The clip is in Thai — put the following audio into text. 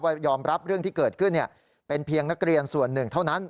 ยอมรับเรื่องที่เกิดขึ้นเป็นเพียงนักเรียนส่วนหนึ่งเท่านั้น